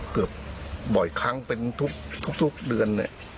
เกือบบ่อยครั้งเป็นทุกเดือนเนี่ย